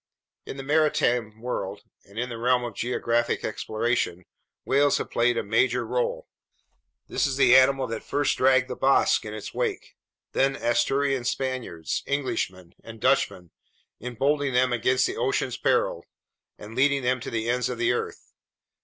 In the maritime world and in the realm of geographic exploration, whales have played a major role. This is the animal that first dragged the Basques in its wake, then Asturian Spaniards, Englishmen, and Dutchmen, emboldening them against the ocean's perils, and leading them to the ends of the earth.